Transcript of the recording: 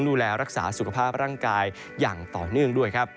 ดูแลรักษาสุขภาพร่างกายอย่างต่อเนื่องด้วยครับ